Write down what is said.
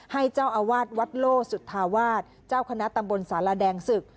ให้เจ้าอาวาสวัดโลสุธาวาสเจ้าคณะตำบลสารแดงศึก